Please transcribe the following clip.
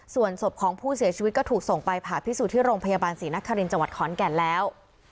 ส่วนศพของผู้เสียชีวิตก็ถูกส่งไปผ่าพิสูจน์ที่โรงพยาบาลศรีนครินทร์จังหวัดขอนแก่นแล้ว